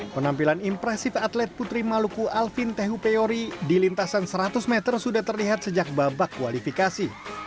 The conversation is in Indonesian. penampilan impresif atlet putri maluku alvin tehupeori di lintasan seratus meter sudah terlihat sejak babak kualifikasi